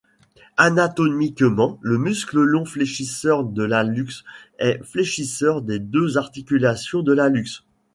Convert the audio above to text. Anatomiquement le muscle long fléchisseur de l'hallux est fléchisseur des deux articulations de l'hallux.